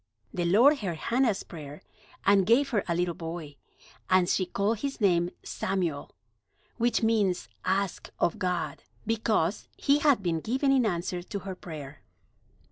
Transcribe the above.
The Lord heard Hannah's prayer, and gave her a little boy, and she called his name Samuel, which means "Asked of God"; because he had been given in answer to her prayer.